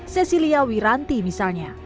cecilia wiranti misalnya